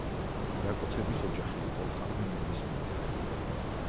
რაკოცების ოჯახი იყო კალვინიზმის მიმდევარი.